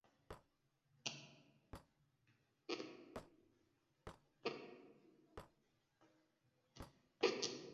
william alimweka binti yake katika mashua namba nne